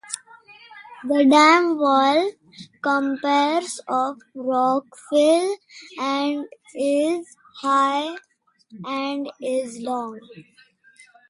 The dam wall comprises of rock fill and is high and is long.